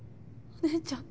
お姉ちゃん！